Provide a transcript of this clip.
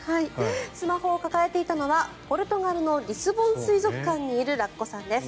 スマホを抱えていたのはポルトガルのリスボン水族館にいるラッコさんです。